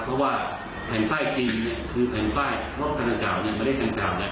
เพราะว่าแผ่นใต้จีนเนี่ยคือแผ่นใต้รถทางเจ้าเนี่ยมาเล่นทางเจ้าเนี่ย